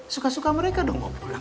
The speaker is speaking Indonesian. suka suka mereka dong mau pulang